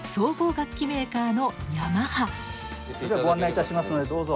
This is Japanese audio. ご案内いたしますのでどうぞ。